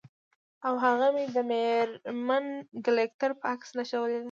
او هغه مې د میرمن کلیګرتي په عکس نښلولي دي